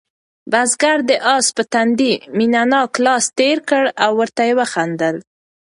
بزګر د آس په تندي مینه ناک لاس تېر کړ او ورته ویې خندل.